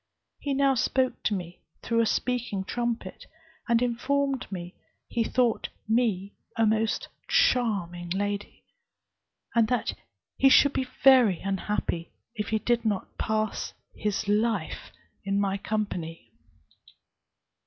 He now spoke to me through a speaking trumpet, and informed me he thought me a most charming lady, and that he should be very unhappy if he did not pass his life in my company.